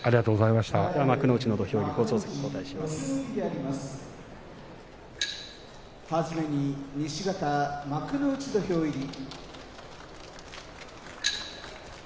はじめに西方幕内土俵入り。